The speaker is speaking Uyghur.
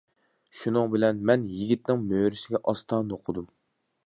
شۇنىڭ بىلەن مەن يىگىتنىڭ مۈرىسىگە ئاستا نوقۇدۇم.